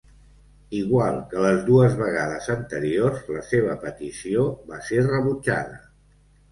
Igual que les dues vegades anteriors, la seva petició va ser rebutjada.